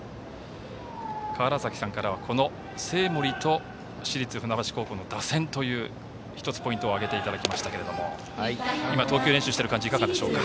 川原崎さんからは生盛と市立船橋高校の打線という１つ、ポイントを挙げていただきましたけれども今、投球練習をしている感じいかがでしょうか。